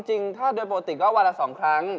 จริงถ้าโดยปกติก็วันละ๒ครั้ง